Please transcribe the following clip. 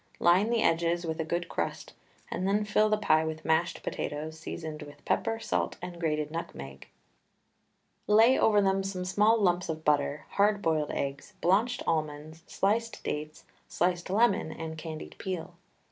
Line the edges with a good crust, and then fill the pie with mashed potatoes seasoned with pepper, salt, and grated nutmeg. Lay over them some small lumps of butter, hard boiled eggs, blanched almonds, sliced dates, sliced lemon and candied peel.